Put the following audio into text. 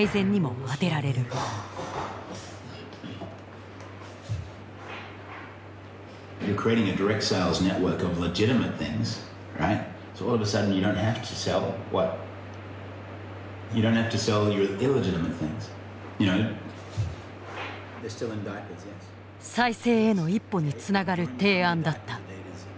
再生への一歩につながる提案だった。